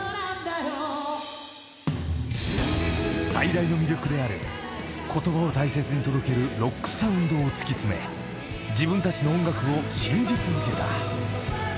［最大の魅力である言葉を大切に届けるロックサウンドを突き詰め自分たちの音楽を信じ続けた］